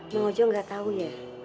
mau jo gak tau ya